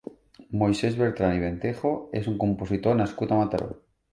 Moisès Bertran i Ventejo és un compositor nascut a Mataró.